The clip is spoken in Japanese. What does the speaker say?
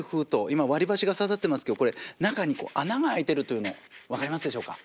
今割り箸が刺さってますけどこれ中に穴が開いてるというの分かりますでしょうか？